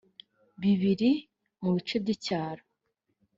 bibiri mu bice by icyaro